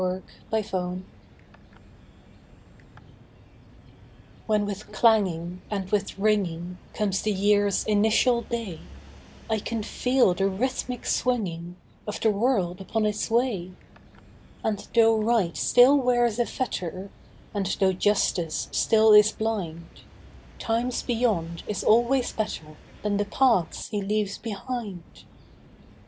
NEW YEAR'S DAY When with clanging and with ringing Comes the year's initial day, I can feel the rhythmic swinging Of the world upon its way; And though Right still wears a fetter, And though Justice still is blind, Time's beyond is always better Than the paths he leaves behind.